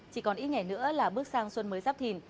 chỉ còn ít ngày nữa là bước sang xuân mới giáp thìn